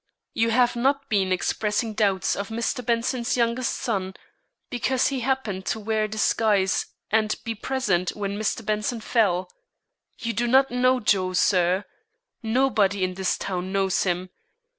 "You have not been expressing doubts of Mr. Benson's youngest son, because he happened to wear a disguise and be present when Mr. Benson fell? You do not know Joe, sir; nobody in this town knows him.